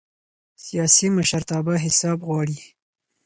سیاسي مشرتابه حساب غواړي